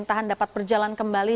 kemudian di dalam perjalanan ke negara